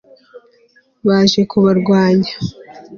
baje kubarwanya